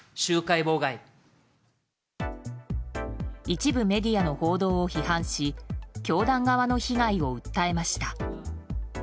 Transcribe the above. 一部メディアの報道を批判し教団側の被害を訴えました。